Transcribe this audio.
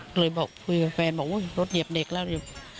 เกิดเลยบอกคุยกับแฟนวันนี่รถเหยียบเด็กแล้ว